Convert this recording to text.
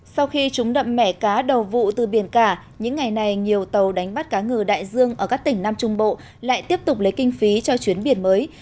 sau khi trúng đậm mẻ cá đầu vụ từ biển cả những ngày này nhiều tàu đánh bắt cá ngừ đại dương ở các tỉnh nam trung bộ lại tiếp tục lấy kinh phí cho chuyến biển mới